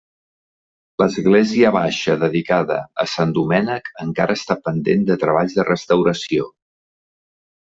L'Església Baixa dedicada a Sant Domènec encara està pendent de treballs de restauració.